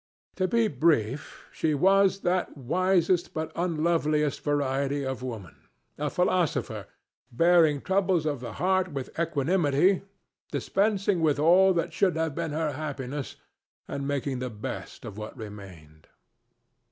To be brief, she was that wisest but unloveliest variety of woman, a philosopher, bearing troubles of the heart with equanimity, dispensing with all that should have been her happiness and making the best of what remained.